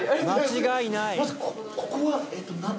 間違いない！